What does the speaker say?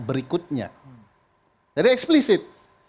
berikutnya jadi eksplisit